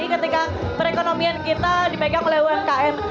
jadi ketika perekonomian kita dipegang oleh umkm